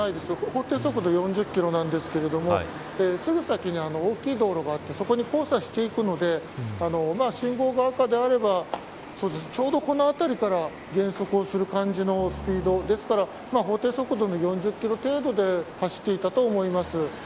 法定速度４０キロなんですけどすぐ先に大きい道路があってそこに交差していくので信号が赤であればちょうどこの辺りから減速をする感じのスピードですから法定速度の４０キロ程度で走っていたと思います。